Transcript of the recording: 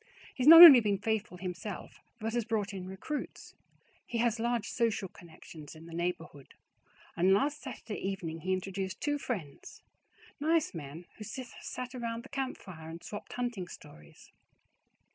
He has not only been faithful himself, but has brought in recruits. He has large social connections in the neighborhood, and last Saturday evening he introduced two friends, nice men who sat around the campfire and swapped hunting stories.